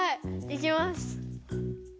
いきます。